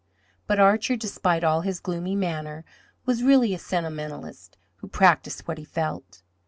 But Archer, despite all his gloomy manner, was really a sentimentalist, who practised what he felt.